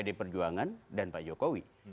bagi pd perjuangan dan pak jokowi